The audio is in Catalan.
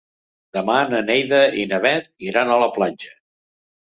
Demà na Neida i na Bet iran a la platja.